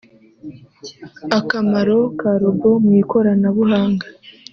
akamaro ka robo mu ikoranabuhanga